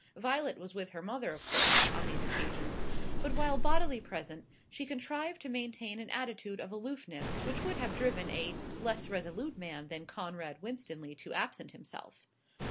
Violet was with her mother, of course, on these occasions; but, while bodily present, she contrived to maintain an attitude of aloofness which would have driven a less resolute man than Conrad Winstanley to absent himself.